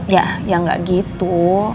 ya ya gak gitu